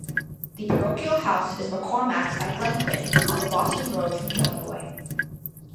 The Parochial House is McCormack's at Glenquin, on the Boston road from Kilnaboy.